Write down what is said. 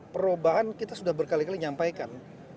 perubahan kita sudah berkali kali menyampaikan